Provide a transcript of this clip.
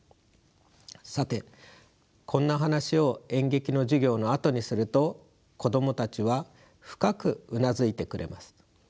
さてこんな話を演劇の授業のあとにすると子供たちは深くうなずいてくれます。